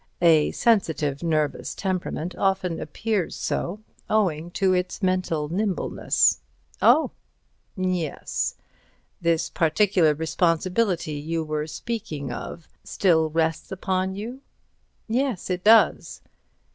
A sensitive nervous temperament often appears so, owing to its mental nimbleness." "Oh!" "Yes. This particular responsibility you were speaking of still rests upon you?" "Yes, it does."